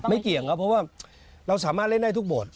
ไม่เคียงเพราะว่าเราสามารถเล่นได้ทุกบท